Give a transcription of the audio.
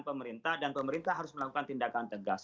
pemerintah dan pemerintah harus melakukan tindakan tegas